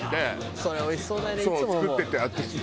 それおいしそうだよね。